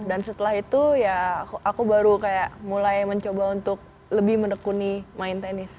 dan setelah itu ya aku baru kayak mulai mencoba untuk lebih menekuni main tenis